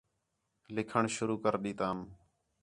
لِکھݨ شروع کر ݙِیتام